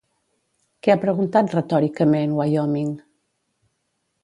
Què ha preguntat, retòricament, Wyoming?